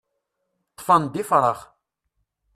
Ṭṭfen-d ifrax.